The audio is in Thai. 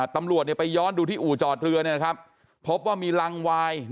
ตำรวจไปย้อนดูที่อู่จอดเรือนะครับพบว่ามีลังวาย